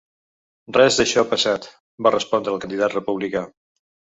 Res d’això ha passat, va respondre el candidat republicà.